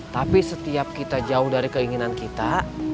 tapi setiap kita jauh dari keinginan kita